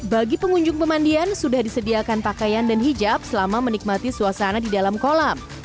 bagi pengunjung pemandian sudah disediakan pakaian dan hijab selama menikmati suasana di dalam kolam